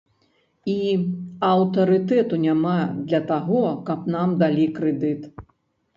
І аўтарытэту няма для таго, каб нам далі крэдыт.